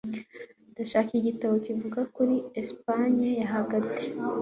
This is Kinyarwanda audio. Ndashaka igitabo kivuga kuri Espagne yo hagati.